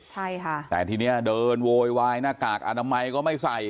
ใช่ค่ะแต่ทีนี้เดินโวยวายหน้ากากอนามัยก็ไม่ใส่